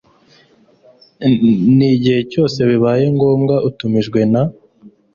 n igihe cyose bibaye ngombwa itumijwe na